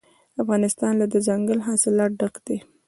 افغانستان له دځنګل حاصلات ډک دی.